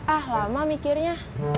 ah lama mikirnya